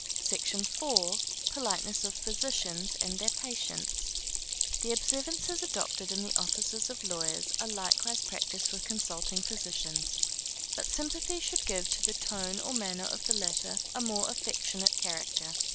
SECTION IV. Politeness of Physicians and their Patients. The observances adopted in the offices of lawyers, are likewise practised with consulting physicians; but sympathy should give to the tone or manner of the latter a more affectionate character.